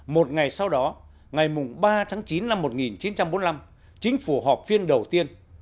một ngày sau đó ngày ba tháng chín năm một nghìn chín trăm bốn mươi năm chính phủ họp phiên đầu tiên